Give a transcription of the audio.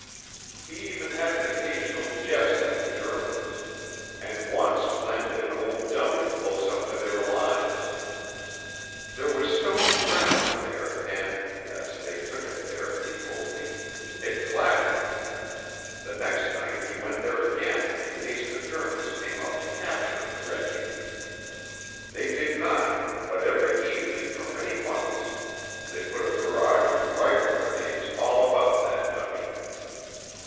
He even had an occasional jest at the Germans, and once planted an old dummy close up to their lines. There was stony ground there, and, as they took it there, he told me, it clattered. The next night he went there again in case the Germans came out to capture 'Reggie.' They did not, but every evening for many months they put a barrage of rifle grenades all about that dummy.